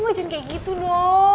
ma jangan kayak gitu dong